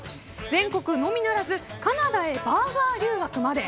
全国のみならずカナダへバーガー留学まで。